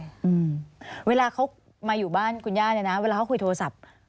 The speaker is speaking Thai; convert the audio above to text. อืมเวลาเขามาอยู่บ้านคุณย่าเนี่ยนะเวลาเขาคุยโทรศัพท์